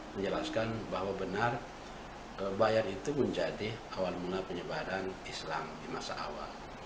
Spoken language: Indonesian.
menjelaskan bahwa benar bayar itu menjadi awal mula penyebaran islam di masa awal